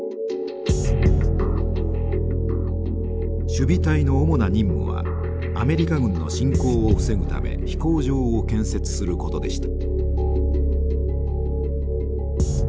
守備隊の主な任務はアメリカ軍の進攻を防ぐため飛行場を建設することでした。